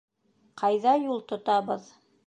- Ҡайҙа юл тотабыҙ?